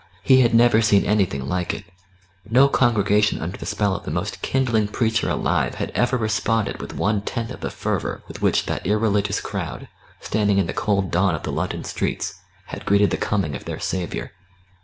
He had never seen anything like it; no congregation under the spell of the most kindling preacher alive had ever responded with one tenth of the fervour with which that irreligious crowd, standing in the cold dawn of the London streets, had greeted the coming of their saviour.